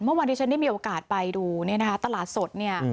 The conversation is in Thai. เมื่อวานที่ฉันได้มีโอกาสไปดูเนี่ยนะคะตลาดสดเนี่ย